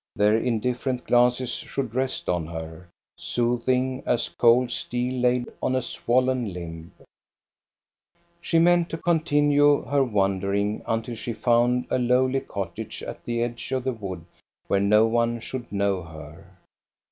Their indifferent glances should rest on her, soothing as cold steel laid on a swollen limb. She meant to continue her wandering until she found a lowly cottage at the edge of the wood, where no one should know her.